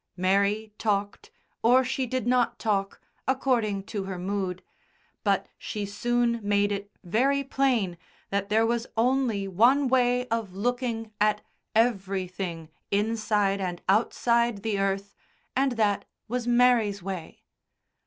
Mary talked or she did not talk according to her mood, but she soon made it very plain that there was only one way of looking at everything inside and outside the earth, and that was Mary's way.